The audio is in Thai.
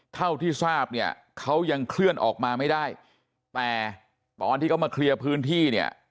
เท่าที่ทราบเนี่ยเขายังเคลื่อนออกมาไม่ได้แต่ตอนที่เขามาเคลียร์พื้นที่เนี่ย